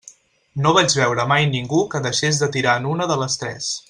No vaig veure mai ningú que deixés de tirar en una de les tres.